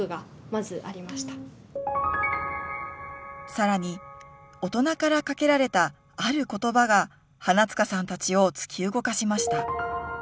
更に大人からかけられたある言葉が花塚さんたちを突き動かしました。